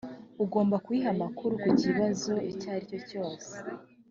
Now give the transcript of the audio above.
ugomba kuyiha amakuru ku kibazo icyo ari cyo cyose